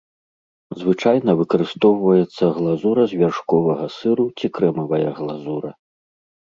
Звычайна выкарыстоўваецца глазура з вяршковага сыру ці крэмавая глазура.